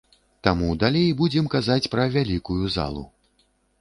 Таму далей будзем казаць пра вялікую залу.